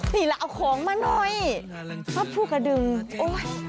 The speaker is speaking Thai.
นี่ละเอาของมาหน่อยภาพภูกระดึงโอ้ย